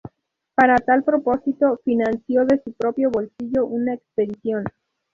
Para tal propósito financió de su propio bolsillo una expedición.